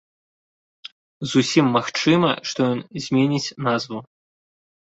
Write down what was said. Зусім магчыма, што ён зменіць назву.